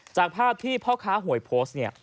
๑จากภาพที่เพาะค้าหวยโพสต์